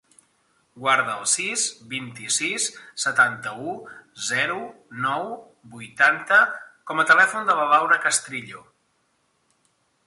Guarda el sis, vint-i-sis, setanta-u, zero, nou, vuitanta com a telèfon de la Laura Castrillo.